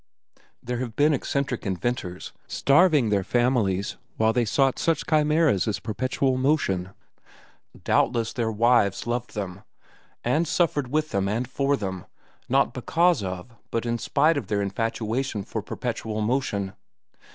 "There have been eccentric inventors, starving their families while they sought such chimeras as perpetual motion. Doubtless their wives loved them, and suffered with them and for them, not because of but in spite of their infatuation for perpetual motion."